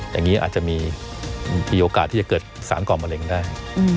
อย่างนี้อาจจะมีโอกาสที่จะเกิดสารก่อมะเร็งได้